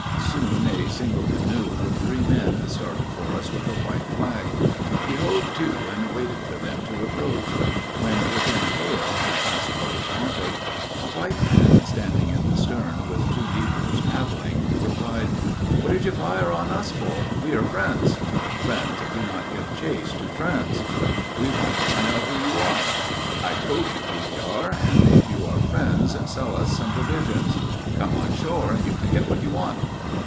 Soon a single canoe with three men started for us with a white flag. We hove to, and waited for them to approach. When within hail, I asked what was wanted. A white man, standing in the stern, with two negroes paddling, replied: "What did you fire on us for? We are friends." "Friends do not give chase to friends." "We wanted to find out who you are." "I told you who we are; and if you are friends, sell us some provisions." "Come on shore, and you can get what you want."